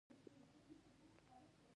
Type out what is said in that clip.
افغانستان د دغه ستر هندوکش کوربه دی.